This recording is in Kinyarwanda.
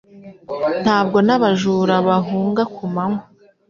Ntabwo n'abajura bahunga ku manywa